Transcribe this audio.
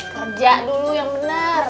kerja dulu yang benar